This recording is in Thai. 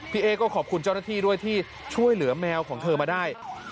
เอ๊ก็ขอบคุณเจ้าหน้าที่ด้วยที่ช่วยเหลือแมวของเธอมาได้